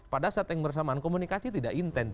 pada saat yang bersamaan komunikasi tidak intens